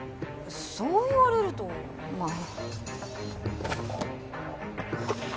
そう言われるとまあ。